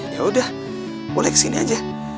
yaudah boleh kesini aja